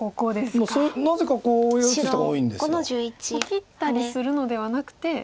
切ったりするのではなくて。